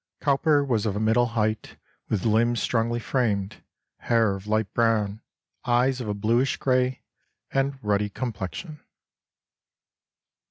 ] "Cowper was of a middle height, with limbs strongly framed, hair of light brown, eyes of a bluish gray, and ruddy complexion."